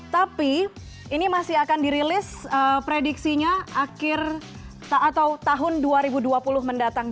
tapi ini masih akan dirilis prediksinya akhir atau tahun dua ribu dua puluh mendatang